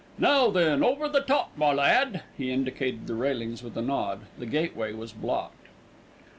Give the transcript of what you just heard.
Now, then, over the top, my lad." He indicated the railings with a nod, the gateway was blocked.